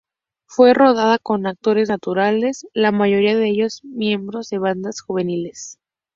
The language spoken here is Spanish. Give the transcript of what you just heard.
Fue rodada con actores naturales, la mayoría de ellos miembros de bandas juveniles.